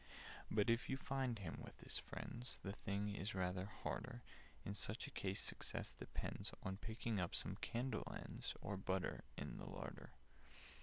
"But if you find him with his friends, The thing is rather harder. In such a case success depends On picking up some candle ends, Or butter, in the larder.